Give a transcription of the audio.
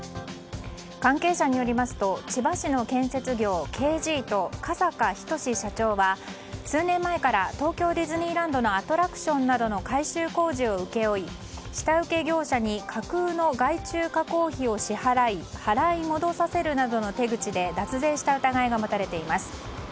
関係者によりますと千葉市の建設業Ｋ．Ｇと加坂斉社長は数年前から東京ディズニーランドのアトラクションなどの改修工事を請け負い下請け業者に架空の外注加工費を支払い払い戻させるなどの手口で脱税した疑いが持たれています。